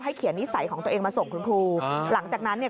เขียนนิสัยของตัวเองมาส่งคุณครูหลังจากนั้นเนี่ย